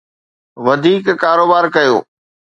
وڌيڪ ڪاروبار ڪيو.